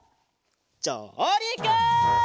じょうりく！